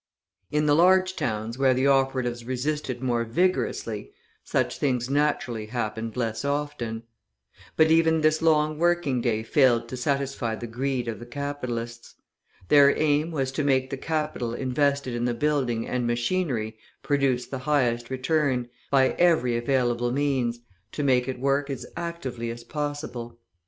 In the large towns where the operatives resisted more vigorously, such things naturally happened less often. But even this long working day failed to satisfy the greed of the capitalists. Their aim was to make the capital invested in the building and machinery produce the highest return, by every available means, to make it work as actively as possible.